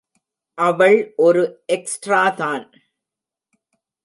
அவள் ஒரு எக்ஸ்ட்ராதான்?.